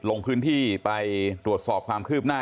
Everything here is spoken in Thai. ลงพื้นที่ไปตรวจสอบความคืบหน้า